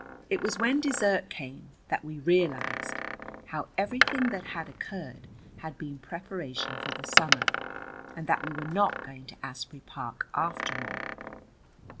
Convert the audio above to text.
It was when dessert came that we realized how everything that had occurred had been preparation for the summer, and that we were not going to Asbury Park, after all.